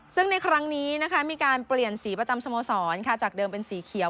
ซึ่งในครั้งนี้นะคะมีการเปลี่ยนสีประจำสโมสรจากเดิมเป็นสีเขียว